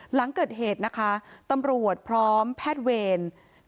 หลังเกิดเหตุนะคะตำรวจพร้อมแพทย์เวร